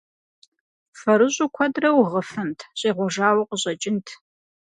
Фэрыщӏу куэдрэ угъыфынт – щӏегъуэжауэ къыщӏэкӏынт.